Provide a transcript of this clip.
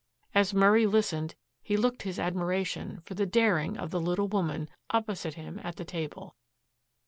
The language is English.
As Murray listened he looked his admiration for the daring of the little woman opposite him at the table.